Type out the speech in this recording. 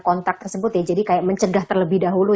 kontak tersebut ya jadi kayak mencegah terlebih dahulu